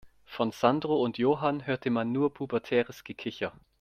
Von Sandro und Johann hörte man nur pubertäres Gekicher.